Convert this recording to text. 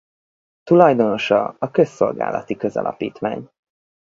Tulajdonosa a Közszolgálati Közalapítvány.